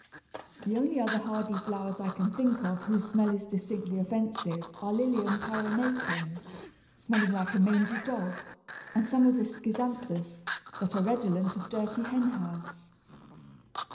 The only other hardy flowers I can think of whose smell is distinctly offensive are Lilium pyrenaicum, smelling like a mangy dog, and some of the Schizanthus, that are redolent of dirty hen house.